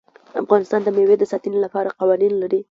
افغانستان د مېوې د ساتنې لپاره قوانین لري.